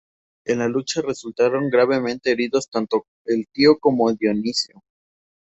En la lucha resultaron gravemente heridos tanto el tío como Dionisio.